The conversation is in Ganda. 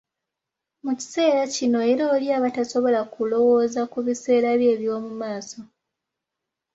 Mu kiseera kino era oli aba tasobola kulowooza ku biseera bye eby'omu maaso.